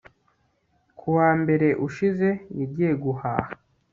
ku wa mbere ushize, yagiye guhaha